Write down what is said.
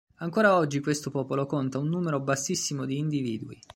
Ancora oggi questo popolo conta un numero bassissimo di individui.